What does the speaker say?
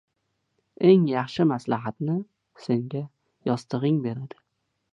• Eng yaxshi maslahatni senga yostig‘ing beradi.